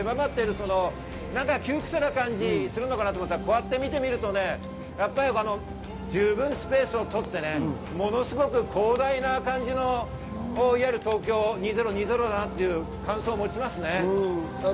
窮屈な感じするのかなと思ったんですが、こうやってみると十分スペースをとって、ものすごく広大な感じの東京２０２０なんだなという感想を持ちますね。